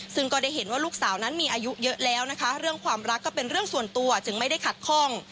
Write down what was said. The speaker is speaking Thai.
ซึ่งก็ได้เห็นว่าลูกสาวนั้นมีอายุเยอะแล้วนะคะเรื่องความรักก็เป็นเรื่องส่วนตัวจึงไม่ได้ขัดข้อง